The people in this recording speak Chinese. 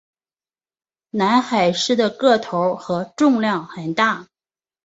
南海狮的个头和重量很大。